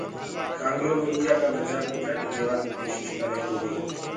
ڪآنگلآ مُريآ ڪآ ٻچآ ڪوُ جھٽ ديوآ ڪي ڪوشش ڪر رهيرو هي۔